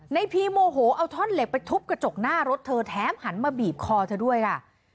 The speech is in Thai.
พีโมโหเอาท่อนเหล็กไปทุบกระจกหน้ารถเธอแถมหันมาบีบคอเธอด้วยค่ะ